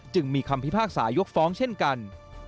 จึงมีคำพิพากษายกฟ้องเช่นกัน